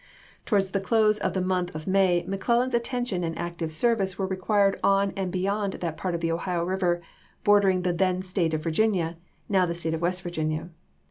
Towards the close of the month of May McClellan's attention and active service were isei, required on and beyond that part of the Ohio River bordering the then State of Virginia, now the State of West Virginia.